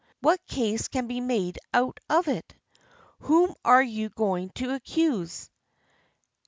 What case can be made out of it? Whom are you going to accuse?